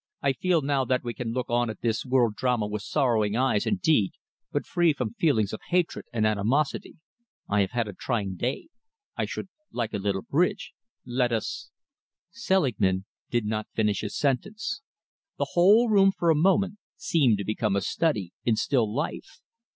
"I feel now that we can look on at this world drama with sorrowing eyes, indeed, but free from feelings of hatred and animosity. I have had a trying day. I should like a little bridge. Let us " Selingman did not finish his sentence. The whole room, for a moment, seemed to become a study in still life.